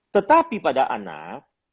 tetapi pada anak